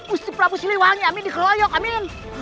usip rabu siliwanya amin dikeloyok amin